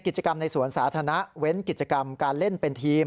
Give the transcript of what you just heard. กิจกรรมในสวนสาธารณะเว้นกิจกรรมการเล่นเป็นทีม